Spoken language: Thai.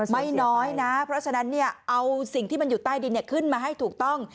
ไม่น้อยนะเพราะฉะนั้นเอาสิ่งที่มันอยู่ใต้ดินขึ้นมาให้ถูกต้อง